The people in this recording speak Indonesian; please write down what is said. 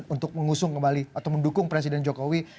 untuk mengusung kembali atau mendukung presiden jokowi